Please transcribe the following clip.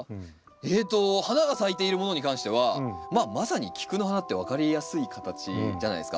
えと花が咲いているものに関してはまあまさにキクの花って分かりやすい形じゃないですか。